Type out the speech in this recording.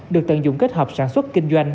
được tận dụng kết hợp sản xuất